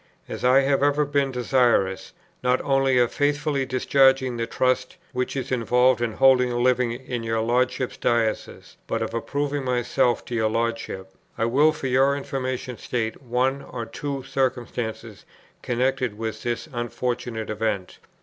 As I have ever been desirous, not only of faithfully discharging the trust, which is involved in holding a living in your Lordship's diocese, but of approving myself to your Lordship, I will for your information state one or two circumstances connected with this unfortunate event....